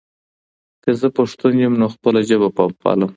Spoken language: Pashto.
که زه پښتون یم، نو خپله ژبه به پالم.